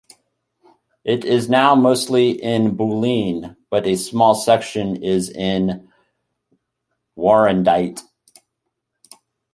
It is now mostly in Bulleen, but a small section is in Warrandyte.